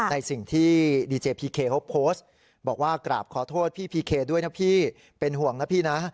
ในสิ่งที่ดีเจพีเคเขาโพสต์บอกว่ากราบขอโทษพี่พีเคด้วยนะพี่เป็นห่วงนะพี่นะ